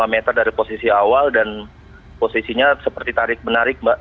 lima meter dari posisi awal dan posisinya seperti tarik menarik mbak